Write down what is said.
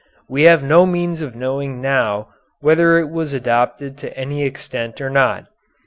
We have no means of knowing now whether it was adopted to any extent or not.